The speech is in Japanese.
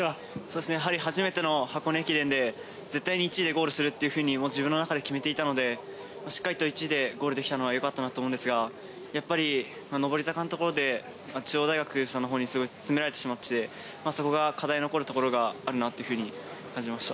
初めての箱根駅伝で絶対に１位でゴールすると自分の中で決めていたので、しっかり１位でゴールできたのはよかったと思うのですが、上り坂のところで中央大学さんに詰められてしまって、そこが課題の残る所があると感じました。